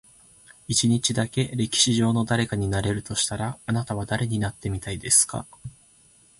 一日だけ、歴史上の誰かになれるとしたら、あなたは誰になってみたいですか？